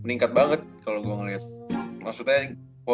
colourarnya yang aventuran ough sebenarnya itu bener nah bener ini initiative ini